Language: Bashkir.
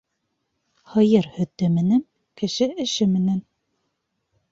Һыйыр һөтө менән, кеше эше менән.